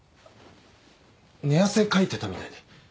寝汗かいてたみたいで。